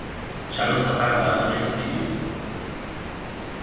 Txalo zaparrada bat merezi dut.